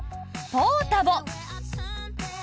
ポータボ。